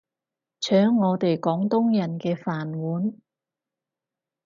搶我哋廣東人嘅飯碗